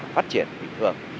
phát triển bình thường